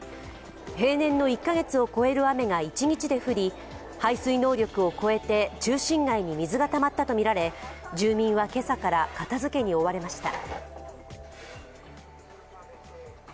平年の１カ月を超える雨が一日で降り、排水能力を超えて、中心街に水がたまったとみられ住民は今朝から片づけに追われました。